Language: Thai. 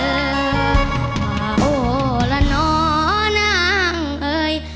โอ้โหละนอนางเอ่ย